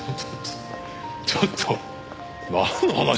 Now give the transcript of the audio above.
ちょっとなんの話ですか？